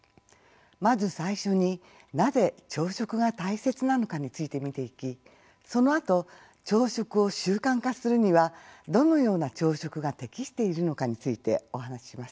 まず最初に「なぜ朝食が大切なのか？」について見ていきそのあと朝食を習慣化するには「どのような朝食が適しているのか？」についてお話しします。